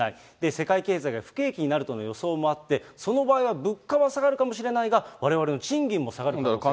世界経済が不景気になるとの予想もあって、その場合は物価は下がるかもしれないですが、われわれの賃金も下がるかもしれない。